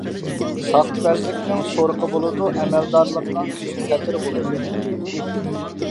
ساختىپەزلىكنىڭ سورىقى بولىدۇ، ئەمەلدارلىقنىڭ خېيىم-خەتىرى بولىدۇ.